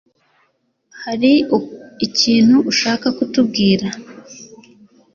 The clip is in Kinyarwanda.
Hari ikintu ushaka kutubwira?